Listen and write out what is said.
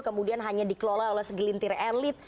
kemudian hanya dikelola oleh segelintir elit